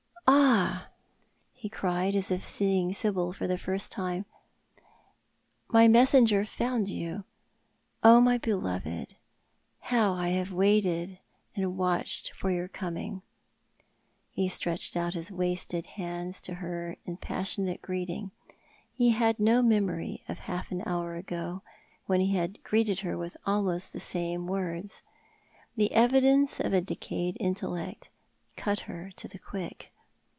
"Ah!" ho cried, as if seeing Sibyl for the first time, "my messenger found you. Oh, my beloved, how I have waited and watched for your coming! " He stretched out his wasted hands to her in passionato greeting. He had no memory of half an hour ago, when he had greeted her with almost the same words. The evidence of a decayed intellect cut her to the quick.